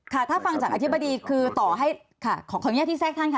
ถ้าฟังจากอธิบดีคือต่อให้ขออนุญาตที่แทรกท่านค่ะ